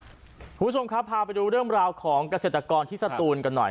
คุณผู้ชมครับพาไปดูเรื่องราวของเกษตรกรที่สตูนกันหน่อย